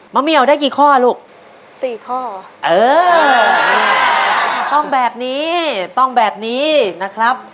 เหมียวได้กี่ข้อลูกสี่ข้อเออต้องแบบนี้ต้องแบบนี้นะครับ